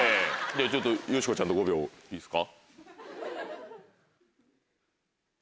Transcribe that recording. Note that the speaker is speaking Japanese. じゃあちょっとよしこちゃんと５秒いいですか？